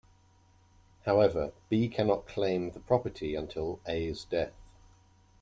However, B cannot claim the property until A's death.